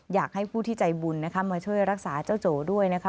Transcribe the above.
อยากให้ผู้ที่ใจบุญนะคะมาช่วยรักษาเจ้าโจด้วยนะคะ